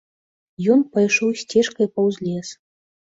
Ён пайшоў сцежкай паўз лес.